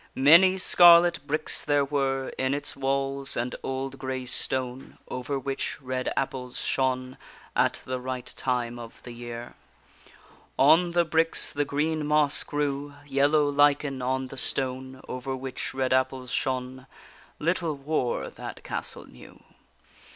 Many scarlet bricks there were In its walls, and old grey stone; Over which red apples shone At the right time of the year. On the bricks the green moss grew. Yellow lichen on the stone, Over which red apples shone; Little war that castle knew.